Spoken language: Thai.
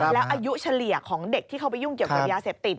แล้วอายุเฉลี่ยของเด็กที่เข้าไปยุ่งเกี่ยวกับยาเสพติด